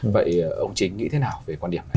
vậy ông chính nghĩ thế nào về quan điểm